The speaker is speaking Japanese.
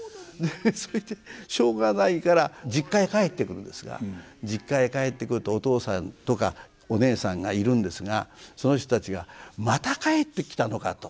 そしてしょうがないから実家へ帰ってくるんですが実家へ帰ってくるとお父さんとかお姉さんがいるんですがその人たちが「また帰ってきたのか」と。